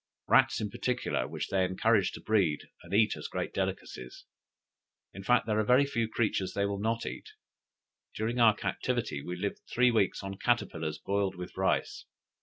Rats in particular, which they encourage to breed, and eat as great delicacies; in fact, there are very few creatures they will not eat. During our captivity we lived three weeks on caterpillars boiled with rice.